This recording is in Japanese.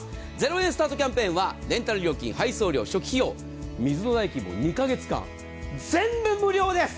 ０円スタートキャンペーンはレンタル料金、配送料、初期費用水の代金も２か月間全部無料です！